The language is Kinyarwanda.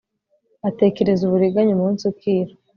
batekereza uburiganya umunsi ukira